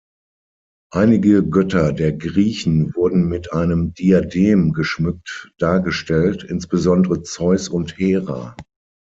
Einige Götter der Griechen wurden mit einem Diadem geschmückt dargestellt, insbesondere Zeus und Hera.